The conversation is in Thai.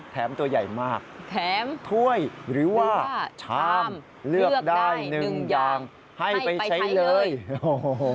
ตัวใหญ่มากแถมถ้วยหรือว่าชามเลือกได้หนึ่งอย่างให้ไปใช้เลยโอ้โห